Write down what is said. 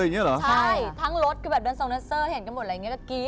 ใช่ทั้งรถก็แบบเดินสองเนอร์เส้อเห็นกันหมดอะไรอย่างเงี้ย